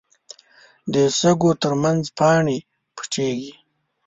د شګو تر منځ پاڼې پټېږي